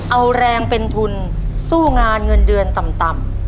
เอาแรงเป็นทุนสู้งานเงินเดือนต่ำ